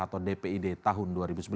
atau dpid tahun dua ribu sebelas